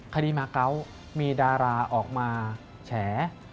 คดีมาเกาะมีดาราออกมาแฉ